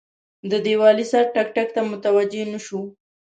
د دیوالي ساعت ټک، ټک ته متوجه نه شو.